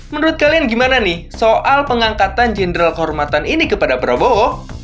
menurut kalian gimana nih soal pengangkatan jenderal kehormatan ini kepada prabowo